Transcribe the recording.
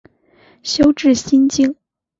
修智心净。